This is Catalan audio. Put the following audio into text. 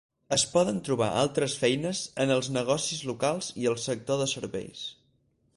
Es poden trobar altres feines en els negocis locals i el sector de serveis.